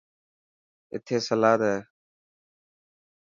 اٿي سلائڊ هي .